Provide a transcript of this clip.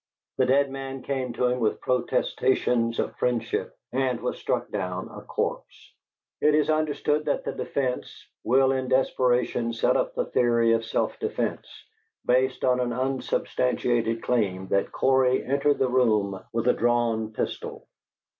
The dead man came to him with protestations of friendship and was struck down a corpse. It is understood that the defence will in desperation set up the theory of self defence, based on an unsubstantiated claim that Cory entered the room with a drawn pistol.